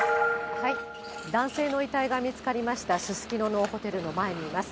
男性の遺体が見つかりました、すすきののホテルの前にいます。